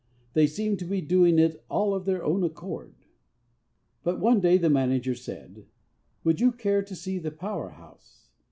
They seemed to be doing it all 'of their own accord.' But one day the manager said, 'Would you care to see the power house?'